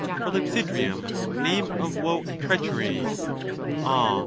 for Lipsydrium, name of woe And treachery ; ah